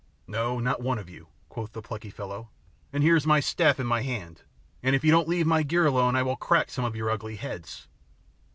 "No, not one of you," quoth the plucky fellow, "and here's my staff in my hand, and if you don't leave my gear alone I will crack some of your ugly heads."